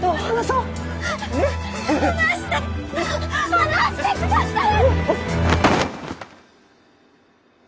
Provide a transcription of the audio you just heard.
離してください！